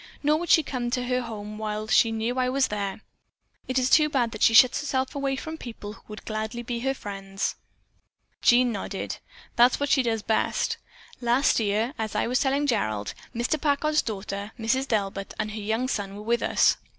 Nor would she come to her home while she know that I was there. It is too bad that she shuts herself away from people who would gladly be her friends." Jean nodded. "That is just what she does. Last year, as I was telling Gerald, Mr. Packard's daughter, Mrs. Delbert, and her young son were with us.